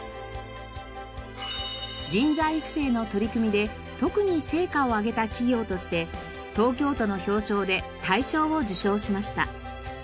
人材育成の取り組みで特に成果を上げた企業として東京都の表彰で大賞を受賞しました。